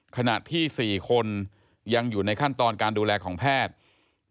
ขณะที่๔คนยังอยู่ในขั้นตอนการดูแลของแพทย์